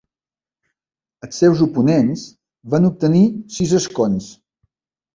Els seus oponents van obtenir sis escons.